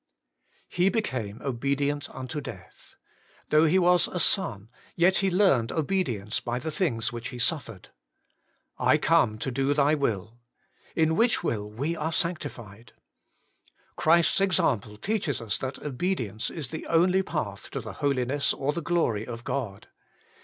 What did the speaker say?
1. 'He became obedient unto death.' 'Though He was a Son, yet He learned obedience by the things which He suffered.' ' I come to do Thy will.' 'In which will we are sanctified.' Christ's example teaches us that obedience is the only path to the Holiness or the glory of God.